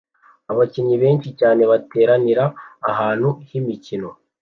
Abakinnyi benshi cyane bateranira ahantu h'imikino